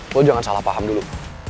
lo jangan salah paham dulu